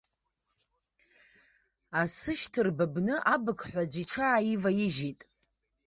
Асы шьҭырбыбны, абықҳәа аӡәы иҽааиваижьит.